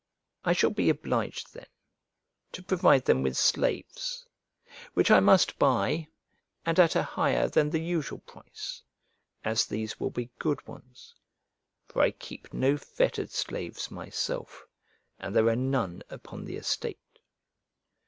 I shall be obliged, then, to provide them with slaves, which I must buy, and at a higher than the usual price, as these will be good ones; for I keep no fettered slaves myself, and there are none upon the estate.